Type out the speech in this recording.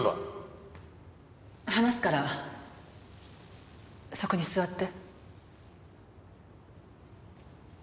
話すからそこに座って。